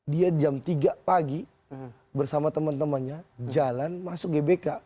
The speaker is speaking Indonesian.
dia jam tiga pagi bersama teman temannya jalan masuk gbk